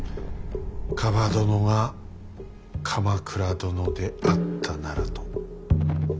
蒲殿が鎌倉殿であったならと。